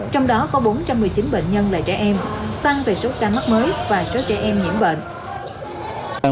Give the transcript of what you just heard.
trong đó có bốn trăm một mươi chín bệnh nhân là trẻ em tăng về số ca mắc mới và số trẻ em nhiễm bệnh